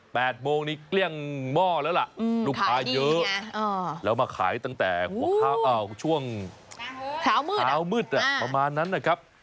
โมงนี้เกลี้ยงหม้อแล้วล่ะลูกค้าเยอะแล้วมาขายตั้งแต่หัวช่วงเช้ามืดเช้ามืดอ่ะประมาณนั้นนะครับ